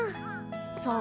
そう？